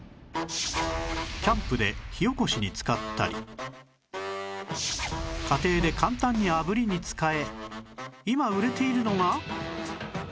キャンプで火おこしに使ったり家庭で簡単に炙りに使え今売れているのが